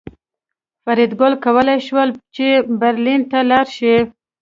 فریدګل کولی شول چې برلین ته لاړ شي